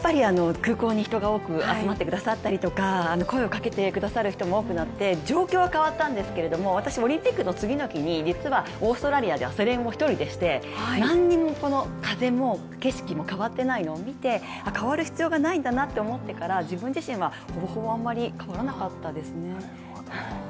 空港に人が多く集まってくださったりとか声をかけてくださる人も多くなって状況は変わったんですけれども私、オリンピックの次の日に実は、オーストラリアで朝練を１人でして何にも、風も景色も変わっていないのを見て変わる必要がないんだなと思ってから自分自身はほぼほぼ、あんまり変わらなかったですね。